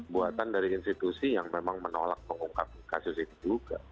buatan dari institusi yang memang menolak mengungkap kasus ini juga